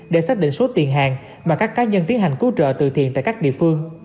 để xác định số tiền hàng mà các cá nhân tiến hành cứu trợ từ thiện tại các địa phương